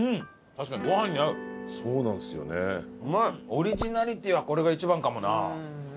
オリジナリティーはこれが一番かもな。